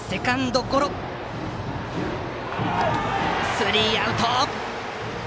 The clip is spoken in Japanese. スリーアウト！